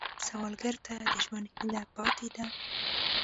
سوالګر ته د ژوند هیله پاتې ده